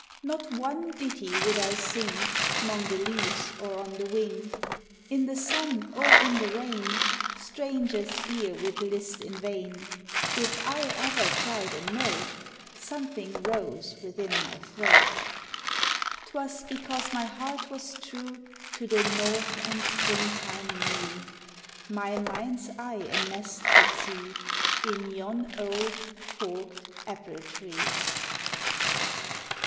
Not one ditty would I sing, 'Mong the leaves or on the wing, In the sun or in the rain; Stranger's ear would list in vain. If I ever tried a note, Something rose within my throat. 'Twas because my heart was true To the North and spring time new; My mind's eye a nest could see In yon old, forked apple tree!"